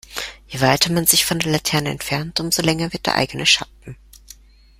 Je weiter man sich von der Laterne entfernt, umso länger wird der eigene Schatten.